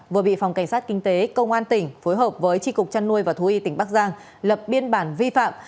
vừa bị phòng cảnh sát kinh tế công an tỉnh phối hợp với tri cục trăn nuôi và thú y tỉnh bắc giang lập biên bản vi phạm